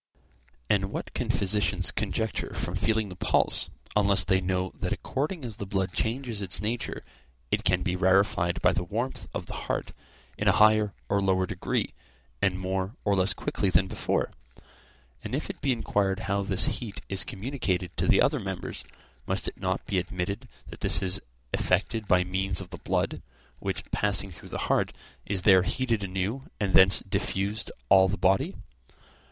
And what can physicians conjecture from feeling the pulse unless they know that according as the blood changes its nature it can be rarefied by the warmth of the heart, in a higher or lower degree, and more or less quickly than before? And if it be inquired how this heat is communicated to the other members, must it not be admitted that this is effected by means of the blood, which, passing through the heart, is there heated anew, and thence diffused over all the body?